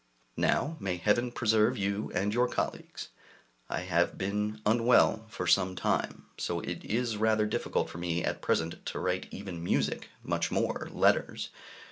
Now may Heaven preserve you and your colleagues! I have been unwell for some time; so it is rather difficult for me at present to write even music, much more letters.